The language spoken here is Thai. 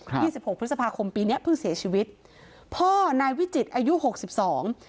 ยี่สิบหกพฤษภาคมปีเนี้ยเพิ่งเสียชีวิตพ่อนายวิจิตรอายุหกสิบสอง